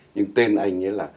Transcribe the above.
nhưng tên anh ấy là